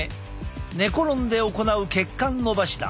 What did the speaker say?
寝転んで行う血管のばしだ。